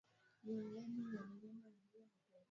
Nataka kukodisha pikipiki kwa siku moja.